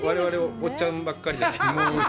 おっちゃんばっかり。